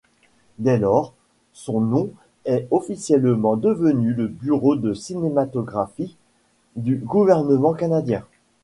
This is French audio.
Dès lors, son nom est officiellement devenu le Bureau de cinématographie du gouvernement canadien.